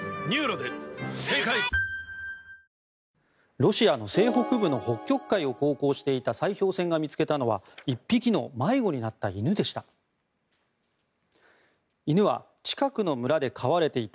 ロシアの西北部の北極海を航行していた砕氷船が見つけたのは１匹の迷子になった犬でした。